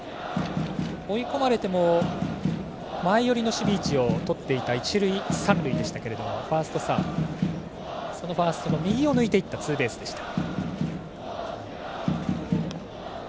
追い込まれても前寄りの守備位置をとっていた一塁三塁でしたけどそのファーストの右を抜いていくツーベースでした。